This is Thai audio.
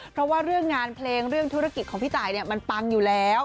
เพราะว่าเรื่องงานเพลงเรื่องธุรกิจของพี่ตายมันปังอยู่แล้ว